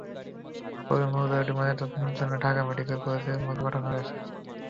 পরে মরদেহটি ময়নাতদন্তের জন্য ঢাকা মেডিকেল কলেজ হাসপাতাল মর্গে পাঠানো হয়।